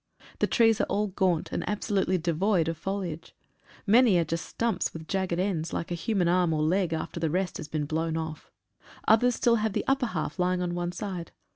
The trees are all gaunt and absolutely devoid of foliage. Many are just stumps with jagged ends, like a human arm or leg after the rest has been blown off. Others still have the upper half lying on one side.